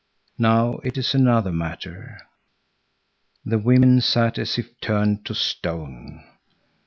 Now it is another matter." The women sat as if turned to stone.